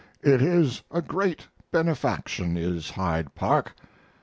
] It is a great benefaction is Hyde Park.